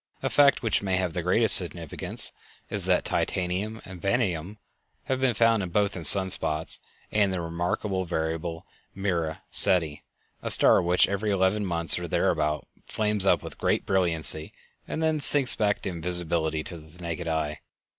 A fact which may have the greatest significance is that titanium and vanadium have been found both in sun spots and in the remarkable variable Mira Ceti, a star which every eleven months, or thereabout, flames up with great brilliancy and then sinks back to invisibility with the naked eye.